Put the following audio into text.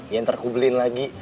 ya ntar aku beliin lagi